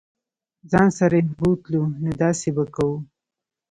ځان سره یې بوتلو نو داسې به کوو.